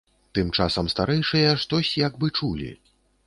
Тым часам старэйшыя штось як бы чулі.